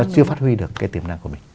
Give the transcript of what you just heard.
chưa phát huy được tiềm năng của mình